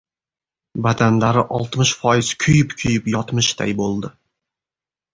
Badanlari oltmish foiz kuyib-kuyib yotmishday bo‘ldi!